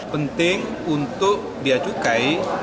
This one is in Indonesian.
penting untuk diajukan